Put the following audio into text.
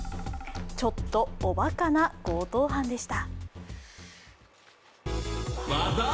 ちょっとおバカな強盗犯でした。